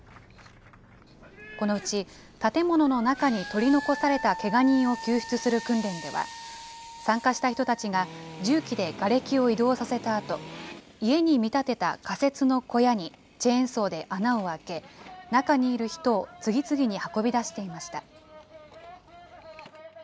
このうち、建物の中に取り残されたけが人を救出する訓練では、参加した人たちが、重機でがれきを移動させたあと、家に見立てた仮設の小屋にチェーンソーで穴を開け、中にいる人を次々に運び出していました。